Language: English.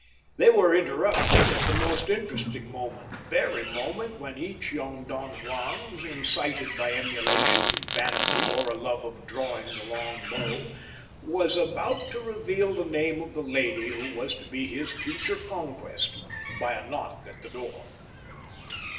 They were interrupted at the most interesting moment — the very moment when each young Don Juan, incited by eAiulation, vanity, or a love of drawing the long bow, was about to reveal the name of the lady who was to be his future conquest— by a knock at the office door.